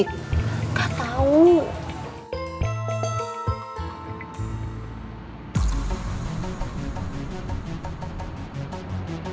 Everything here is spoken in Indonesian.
kenapa emak ingin melihat pesan wik